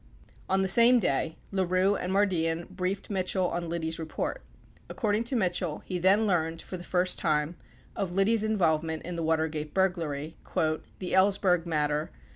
58 On the same day, LaRue and Mardian briefed Mitchell on Liddy's report. According to Mitchell, he then learned, for the first time, of Liddy's involvement in the Watergate burglary, "the Ellsberg matter